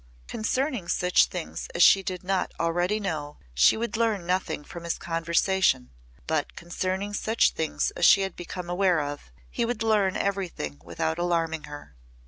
Concerning such things as she did not already know she would learn nothing from his conversation, but concerning such things as she had become aware of he would learn everything without alarming her.